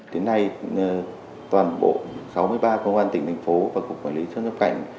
đến nay toàn bộ sáu mươi ba công an tỉnh thành phố và cục quản lý xuất nhập cảnh